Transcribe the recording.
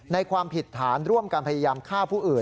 ความผิดฐานร่วมกันพยายามฆ่าผู้อื่น